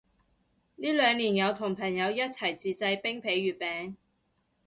呢兩年有同朋友一齊自製冰皮月餅